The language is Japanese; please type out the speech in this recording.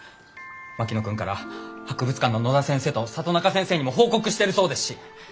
槙野君から博物館の野田先生と里中先生にも報告してるそうですし。